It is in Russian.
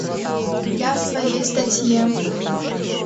Я в своей статье....